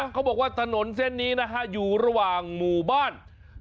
เขาบอกว่าถนนเส้นนี้นะฮะอยู่ระหว่างหมู่บ้าน